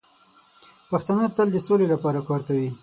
پښتانه تل د سولې لپاره کار کوي.